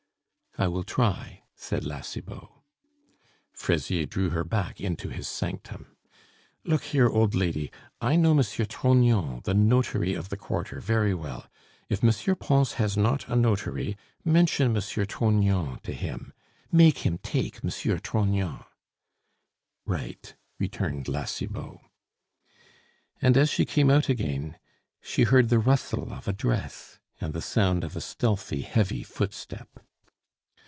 "I will try," said La Cibot. Fraisier drew her back into his sanctum. "Look here, old lady, I know M. Trognon, the notary of the quarter, very well. If M. Pons has not a notary, mention M. Trognon to him. Make him take M. Trognon " "Right," returned La Cibot. And as she came out again she heard the rustle of a dress and the sound of a stealthy, heavy footstep.